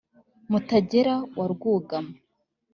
mutagera wa rwugamo,